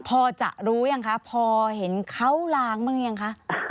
พอจะรู้ยังคะพอเห็นเขาล้างบ้างหรือยังคะ